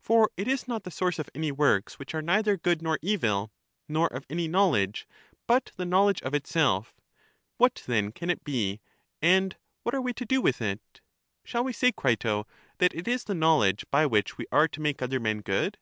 For it is not the source of any works which are neither good nor evil, nor of any knowledge, but the knowledge of itself ; what then can it be, and what are we to do with it? Shall we say, Crito, that it is the knowledge by which we are to make other men good?